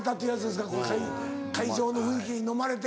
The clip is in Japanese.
会場の雰囲気にのまれて。